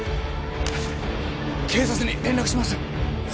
警察に連絡します！